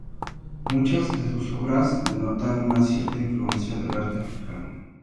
Muchas de sus obras denotan una cierta influencia del arte africano.